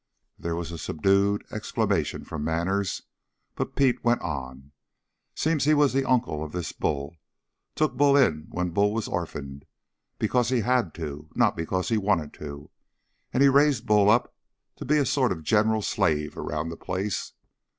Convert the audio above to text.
There was a subdued exclamation from Manners, but Pete went on, "Seems he was the uncle of this Bull; took Bull in when Bull was orphaned, because he had to, not because he wanted to, and he raised Bull up to be a sort of general slave around the place.